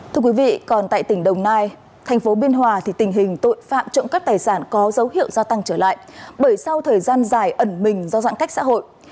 thưa quý vị còn tại tỉnh đồng nai thành phố biên hòa thì tình hình tội phạm trộm cắp tài sản có dấu hiệu gia tăng trở lại bởi sau thời gian dài ẩn mình do giãn cách xã hội